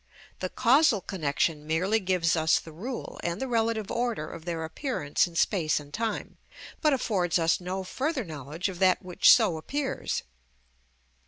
The causal connection merely gives us the rule and the relative order of their appearance in space and time, but affords us no further knowledge of that which so appears.